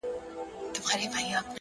مثبت انسان ستونزې د ودې وسیله ګڼي؛